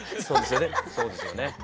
そうですよね